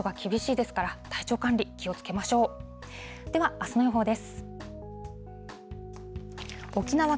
ではあすの予報です。